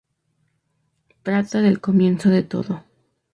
Trata del comienzo de todo.